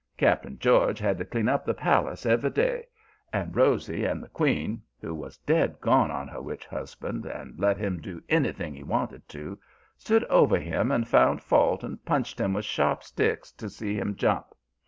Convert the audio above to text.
Cap'n George had to clean up the palace every day, and Rosy and the queen who was dead gone on her witch husband, and let him do anything he wanted to stood over him and found fault and punched him with sharp sticks to see him jump.